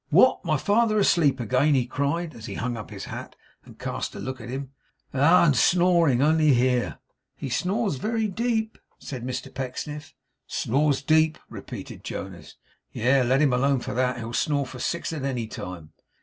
'What! My father asleep again?' he cried, as he hung up his hat, and cast a look at him. 'Ah! and snoring. Only hear!' 'He snores very deep,' said Mr Pecksniff. 'Snores deep?' repeated Jonas. 'Yes; let him alone for that. He'll snore for six, at any time.